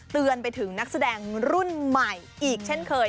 เตือนไปถึงนักแสดงรุ่นใหม่อีกเช่นเคย